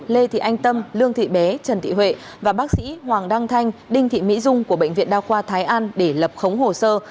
lê thị anh tâm lương thị bé trần thị huệ và bác sĩ hoàng đăng thanh đinh thị mỹ dung của bệnh viện đa khoa thái an để lập khống hồ sơ